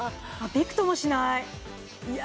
びくともしないいや